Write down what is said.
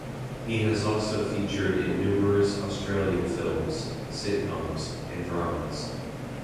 He has also featured in numerous Australian films, sitcoms and dramas.